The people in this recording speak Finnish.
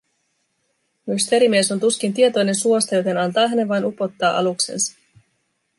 Mysteerimies on tuskin tietoinen suosta, joten antaa hänen vain upottaa aluksensa.